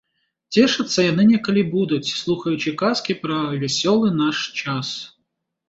Цешыцца яны некалі будуць, слухаючы казкі пра вясёлы наш час.